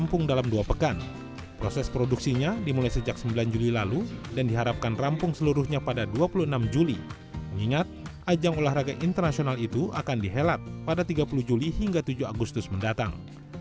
pada tiga puluh juli hingga tujuh agustus mendatang